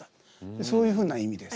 そういうふうな意味です。